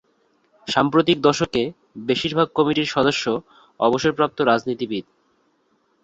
সাম্প্রতিক দশকে, বেশিরভাগ কমিটির সদস্য অবসরপ্রাপ্ত রাজনীতিবিদ।